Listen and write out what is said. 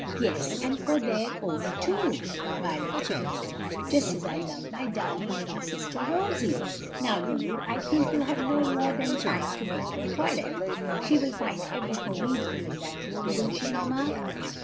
"Yes, and for their own too," Violet added, "just as I love my darling little sister Rosie. Now, Lulu, I think you have no more than time to make your toilet. She will find everything needful in that room, will she, mamma?"